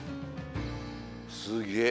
すげえ。